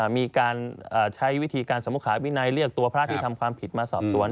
มีการใช้วิธีการสมุขาวินัยเรียกตัวพระที่ทำความผิดมาสอบสวน